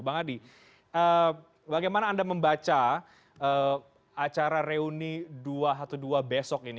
bang adi bagaimana anda membaca acara reuni dua ratus dua belas besok ini